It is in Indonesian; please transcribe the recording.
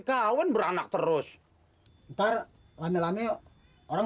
kiriran duit aja doyan